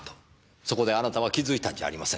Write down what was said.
そこであなたは気付いたんじゃありませんか？